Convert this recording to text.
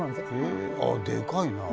へえあでかいな。